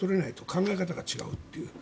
考え方が違うっていう。